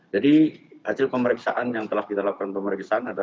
jadi hasil pemeriksaan yang telah kita lakukan pemeriksaan adalah